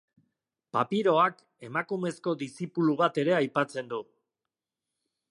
Papiroak emakumezko dizipulu bat ere aipatzen du.